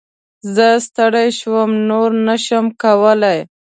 زه ستړی شوم ، نور نه شم کولی !